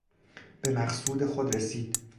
بمقصود خود رسید